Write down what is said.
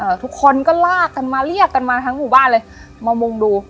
ทุกคนก็ลากกันมาเรียกกันมาทั้งหมู่บ้านเลยมามุงดู